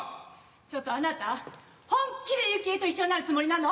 ちょっとあなた本気で幸恵と一緒になるつもりなの？